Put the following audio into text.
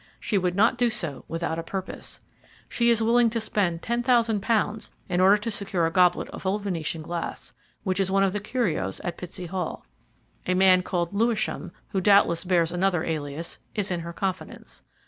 She would not do so without a purpose. She is willing to spend ten thousand pounds in order to secure a goblet of old Venetian glass, which is one of the curios at Pitsey Hall. A man called Lewisham, who doubtless bears another alias, is in her confidence.